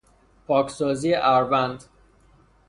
پاکسازی اَروَند